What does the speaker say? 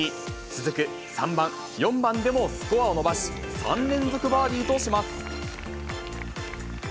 続く３番、４番でもスコアを伸ばし、３連続バーディーとします。